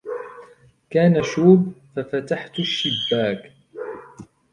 كان شوب ، ففتحت الشباك